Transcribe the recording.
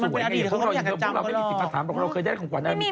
พวกเราไม่มีสิทธิภาษาพวกเราเคยได้ของขวัญอันนี้